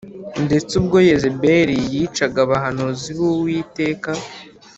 ndetse ubwo Yezebeli yicaga abahanuzi b’Uwiteka